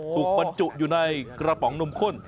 บรรจุอยู่ในกระป๋องนมข้น